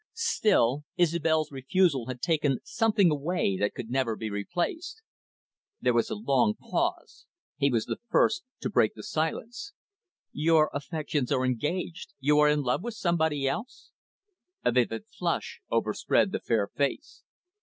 Still, Isobel's refusal had taken something away that could never be replaced. There was a long pause. He was the first to break the silence. "Your affections are engaged. You are in love with somebody else?" A vivid flush overspread the fair face.